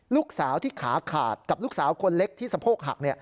ลูกสาวที่ขาขาดกับลูกสาวคนเล็กที่สะโพกหัก